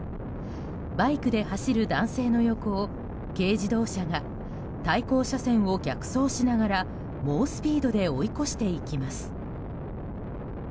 バイクで走る男性の横を軽自動車が対向車線を逆走しながら猛スピードで追い越していきます。